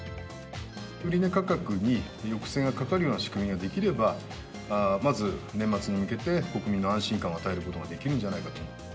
売値価格に抑制がかかるような仕組みができれば、まず、年末に向けて、国民の安心感を与えることができるんじゃないかと。